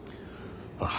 ああ。